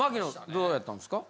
どうやったんですか？